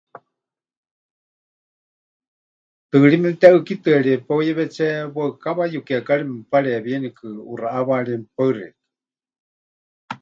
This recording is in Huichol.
Tɨɨrí memɨteʼɨ́kitɨarie peuyewetsé waɨkawa yukiekari memɨpareewienikɨ ʼuxaʼáwaarie. Mɨpaɨ xeikɨ́a.